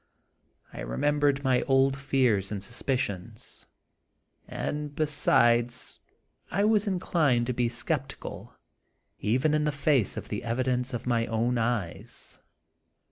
I remembered my old fears and suspicions ; and, besides, I was inclined to be sceptical even in the face of the evidence of my own eyes.